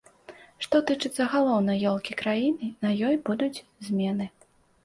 Што тычыцца галоўнай ёлкі краіны, на ёй будуць змены.